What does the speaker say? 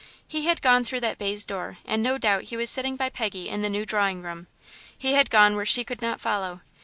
He had gone through that baize door, and no doubt he was sitting by Peggy in the new drawing room. He had gone where she could not follow.